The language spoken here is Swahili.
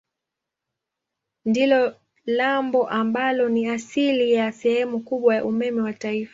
Ndilo lambo ambalo ni asili ya sehemu kubwa ya umeme wa taifa.